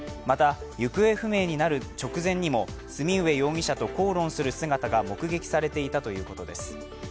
また行方不明になる直前にも末海容疑者と口論する姿が目撃されていたということです。